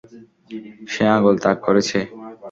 সে আঙুল তাক করেছে!